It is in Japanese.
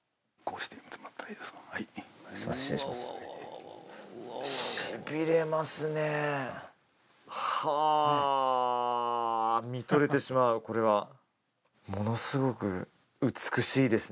しびれますねはあ見とれてしまうこれはものすごく美しいですね